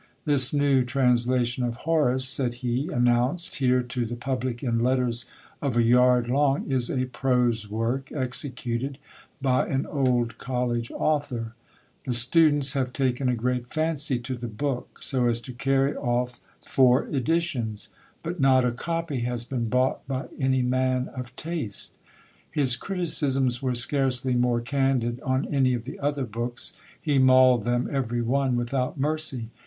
This new translation of Horace, said he, announced here to the public in letters of a yard long, is a prose work, executed by an old college author. The students have taken a great fancy to the book ; so as to carry off four editions. But not a copy has been bought by any man of taste ! His criticisms were scarcely more candid on any of the other books ; he mauled them every one without mercy.